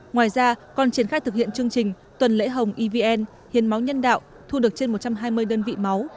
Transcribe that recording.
ngoài ra còn triển khai thực hiện chương trình tuần lễ hồng evn hiến máu nhân đạo thu được trên một trăm hai mươi đơn vị máu